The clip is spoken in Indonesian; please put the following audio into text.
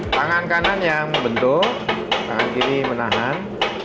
tangan kanan yang membentuk tangan kiri menahan